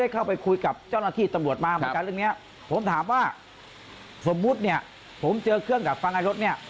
เข้าไปคุยกับเจ้าหน้าที่ตำรวจมาเหมือนกันเรื่องนี้ผมถามว่าสมมุติเนี่ยผมเจอเครื่องดับฟังในรถเนี่ย